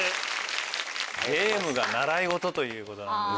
ゲームが習い事ということです。